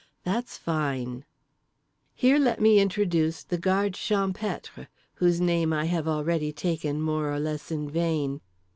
"That's fine." Here let me introduce the Guard Champêtre, whose name I have already taken more or less in vain.